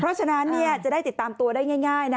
เพราะฉะนั้นจะได้ติดตามตัวได้ง่ายนะ